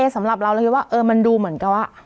สำหรับเราเราคิดว่ามันดูเหมือนกับว่า